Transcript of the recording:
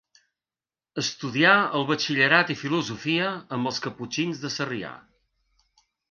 Estudià el batxillerat i filosofia amb els caputxins de Sarrià.